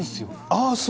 あー、そう。